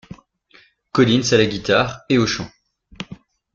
Collins à la guitare et au chant.